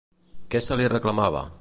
Què se li reclamava?